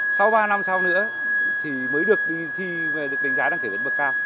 sau ba năm sau nữa thì mới được đánh giá đăng kiểm viên bậc cao